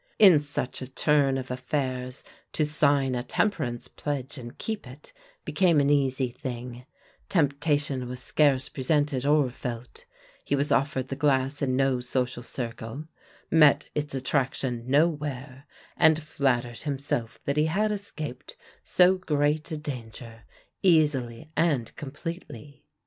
In such a turn of affairs, to sign a temperance pledge and keep it became an easy thing; temptation was scarce presented or felt; he was offered the glass in no social circle, met its attraction nowhere, and flattered himself that he had escaped so great a danger easily and completely.